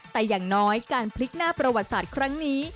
แต่อย่างน้อยการพลิกหน้าประวัติศาสตร์ครั้งนี้